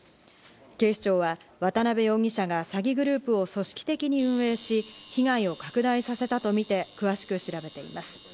警視庁は渡辺容疑者が詐欺グループを組織的に運営し、被害を拡大させたとみて詳しく調べています。